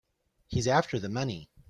He's after the money.